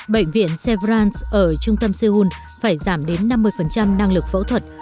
bệnh viện sevrant ở trung tâm seoul phải giảm đến năm mươi năng lực phẫu thuật